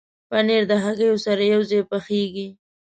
پنېر د هګیو سره یوځای پخېږي.